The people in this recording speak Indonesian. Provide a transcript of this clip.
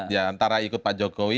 ya antara ikut pak jokowi